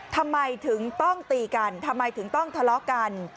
ทำไมถึงต้องตีกันทำไมถึงต้องทะเลาะกัน